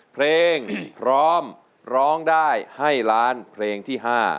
เพลงพร้อมร้องได้ให้ล้านเพลงที่๕